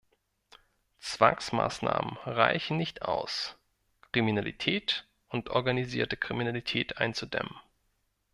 Zwangsmaßnahmen reichen nicht aus, Kriminalität und organisierte Kriminalität einzudämmen.